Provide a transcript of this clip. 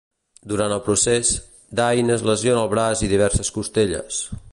Durant el procés, Dain es lesiona el braç i diverses costelles.